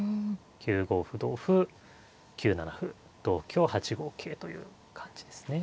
９五歩同歩９七歩同香８五桂という感じですね。